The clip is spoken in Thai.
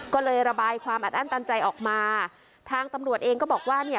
ก็เลยระบายความอัดอั้นตันใจออกมาทางตำรวจเองก็บอกว่าเนี่ย